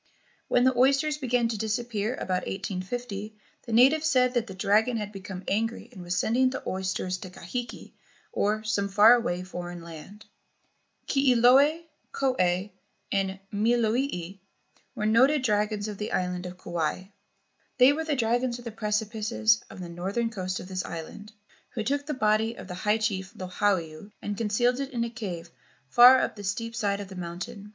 When the oysters began to disappear about 1850, the natives said that the dragon had become angry and was sending the oysters to Kahiki, or some far away foreign land. Kilioe, Koe, and Milolii were noted dragons on the island of Kauai. They were the dragons of the precipices of the northern coast of this island, who took the body of the high chief Lohiau and concealed it in a cave far up the steep side of the mountain.